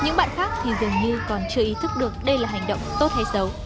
những bạn khác thì dường như còn chưa ý thức được đây là hành động tốt hay xấu